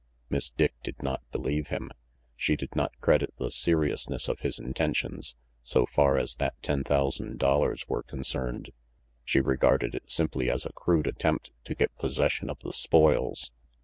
Miss Dick did not believe him. She did not credit the seriousness of his intentions, so far as that ten thousand dollars were concerned. She regarded it simply as a crude attempt to get possession of the spoils.